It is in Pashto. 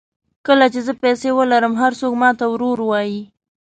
کله چې زه پیسې ولرم هر څوک ماته ورور وایي.